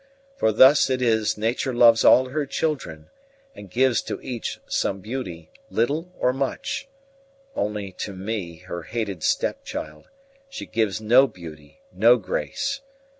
For thus it is Nature loves all her children, and gives to each some beauty, little or much; only to me, her hated stepchild, she gives no beauty, no grace.